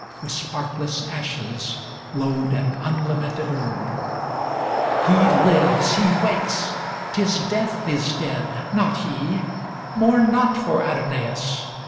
With sparkless ashes load an unlamented urn. XLI He lives, he wakes ŌĆö 't is Death is dead, not he; Mourn not for Adonais.